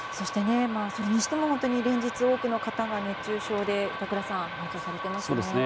それにしても連日、多くの方が熱中症で搬送されていますよね